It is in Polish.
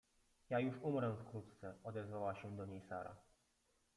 — Ja już umrę wkrótce… — odezwała się do niej Sara.